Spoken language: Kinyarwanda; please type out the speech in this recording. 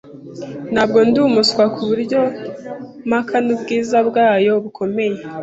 Ntabwo ndi umuswa kuburyo mpakana ubwiza bwayo bukomeye.